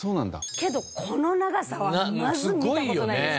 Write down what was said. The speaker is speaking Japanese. けどこの長さはまず見た事ないです。